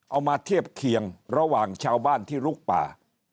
เอามาเทียบเคียงระหว่างชาวบ้านที่ลุกป่า